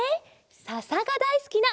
ささがだいすきな